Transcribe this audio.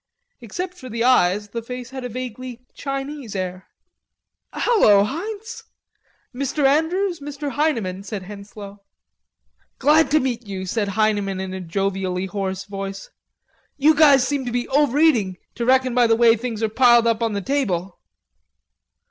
Except for the eyes, the face had a vaguely Chinese air. "Hello, Heinz! Mr. Andrews, Mr. Heineman," said Henslowe. "Glad to meet you," said Heineman in a jovially hoarse voice. "You guys seem to be overeating, to reckon by the way things are piled up on the table."